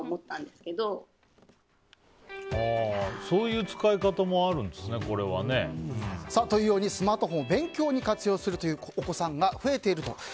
そういう使い方もあるんですね。というようにスマートフォンを勉強に活用するお子さんが増えていると。